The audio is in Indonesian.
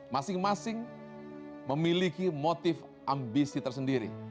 masing masing memiliki motif ambisi tersendiri